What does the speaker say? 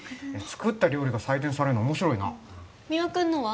作った料理が採点されるの面白いな三輪君のは？